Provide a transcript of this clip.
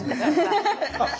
ハハハハハ。